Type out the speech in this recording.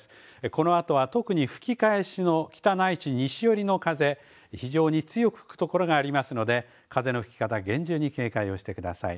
このあとは特に吹き返しの北ないし西寄りの風、非常に強く吹く所がありますので風の吹き方、厳重に警戒をしてください。